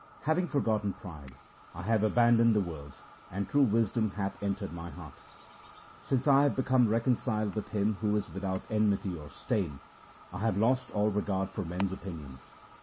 Having forgotten pride, I have abandoned the world, and true wisdom hath entered my heart. Since I have become reconciled with Him who is without enmity or stain, I have lost all regard for men's opinion.